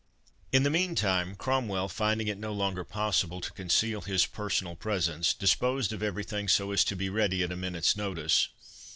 In the meantime, Cromwell, finding it no longer possible to conceal his personal presence, disposed of every thing so as to be ready at a minute's notice.